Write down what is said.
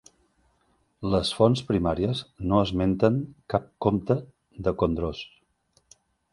Les fonts primàries no esmenten cap comte de Condroz.